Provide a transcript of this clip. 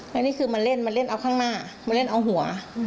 แล้วนี่คือมาเล่นมาเล่นเอาข้างหน้ามาเล่นเอาหัว